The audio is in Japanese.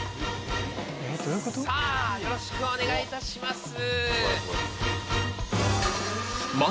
さぁよろしくお願いいたします。